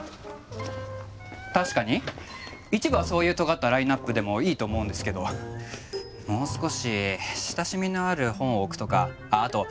確かに一部はそういうとがったラインナップでもいいと思うんですけどもう少し親しみのある本を置くとかあと雑誌を置かないのは論外ですね。